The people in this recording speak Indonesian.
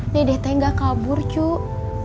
dede teh enggak kabur cuk